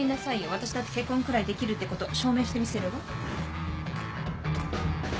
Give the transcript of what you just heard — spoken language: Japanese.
私だって結婚くらいできるってこと証明してみせるわ。